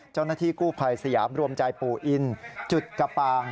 เจ้าหน้าที่กู้ภัยสยามรวมใจปู่อินจุดกะปาง